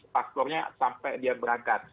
paspornya sampai dia berangkat